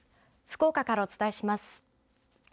福岡からお伝えします。